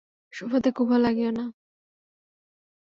সোফাতে কুফা লাগিও না।